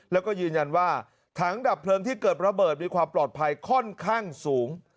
แล้วก็ยืนยันว่าถังดับเพลิงที่เกิดระเบิดมีความปลอดภัยค่อนข้างสูง